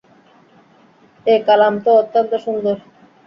এ কালাম তো অত্যন্ত সুন্দর!